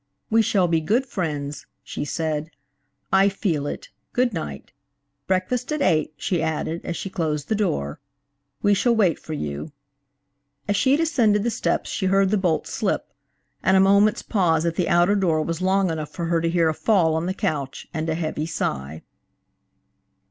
"We shall be good friends," she said, "I feel it, good night. Breakfast at eight," she added as she closed the door, "we shall wait for you." As she descended the steps she heard the bolt slip, and a moment's pause at the outer door was long enough for her to hear a fall on the couch and a heavy sigh.